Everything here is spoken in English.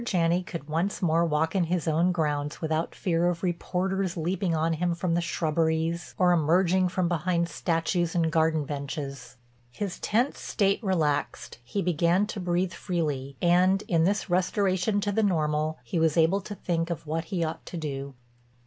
Janney could once more walk in his own grounds without fear of reporters leaping on him from the shrubberies or emerging from behind statues and garden benches. His tense state relaxed, he began to breathe freely, and, in this restoration to the normal, he was able to think of what he ought to do.